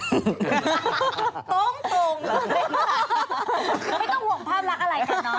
ตรงเลยไม่ต้องห่วงภาพรักอะไรกันเนาะ